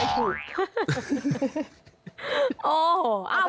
อ๋อพูดถึง